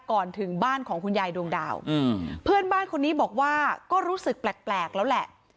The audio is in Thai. ก่อนถึงบ้านของคุณยายดวงดาวเพื่อนบ้านคนนี้บอกว่าก็รู้สึกแปลกแล้วแหละ